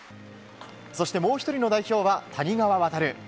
そしてもう１人の代表は谷川航。